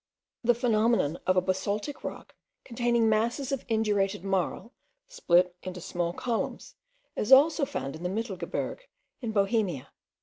The phenomenon of a basaltic rock containing masses of indurated marl split into small columns, is also found in the Mittelgebirge, in Bohemia.